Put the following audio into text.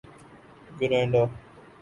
Grenada